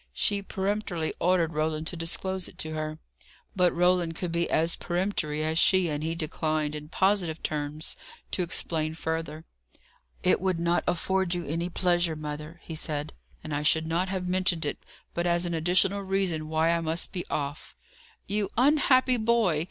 She peremptorily ordered Roland to disclose it to her. But Roland could be as peremptory as she, and he declined, in positive terms, to explain further. "It would not afford you any pleasure, mother," he said, "and I should not have mentioned it but as an additional reason why I must be off." "You unhappy boy!